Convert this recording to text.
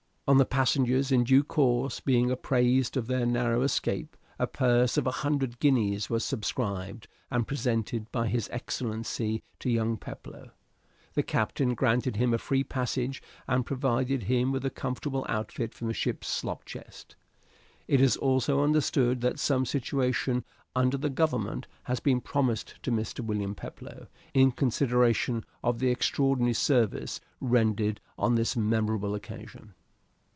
On the passengers in due course being apprised of their narrow escape, a purse of a hundred guineas was subscribed and presented by his Excellency to young Peploe. The captain granted him a free passage and provided him with a comfortable outfit from the ship's slop chest. It is also understood that some situation under the Government has been promised to Mr. William Peploe in consideration of the extraordinary service rendered on this memorable occasion."